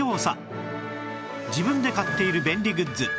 自分で買っている便利グッズ